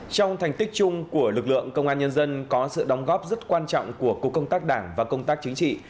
trong thành tích chung của lực lượng công an nhân dân có sự đóng góp rất quan trọng của cục công tác đảng và công tác chính trị